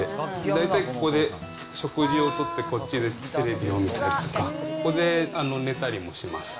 大体ここで食事をとって、こっちでテレビを見たりとか、ここで寝たりもします。